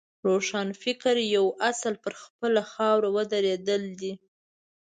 روښانفکرۍ یو اصل پر خپله خاوره ودرېدل دي.